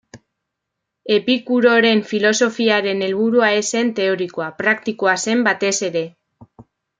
Epikuroren filosofiaren helburua ez zen teorikoa, praktikoa zen batez ere.